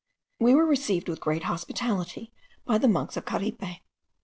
We were received with great hospitality by the monks of Caripe.